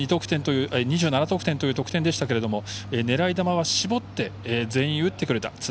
２７得点という得点でしたけども狙い球は絞って全員打ってくれた。